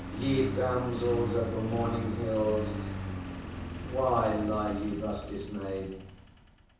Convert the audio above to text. Ye Damsels of the Morning Hills, why lie ye thus dismayed?